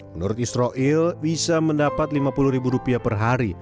menurut israel bisa mendapat lima puluh ribu rupiah per hari